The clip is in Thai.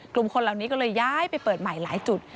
กลุ่มคนเหล่านี้ก็เลยย้ายไปเปิดใหม่หลายจุด